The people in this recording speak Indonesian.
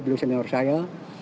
beliau senior saya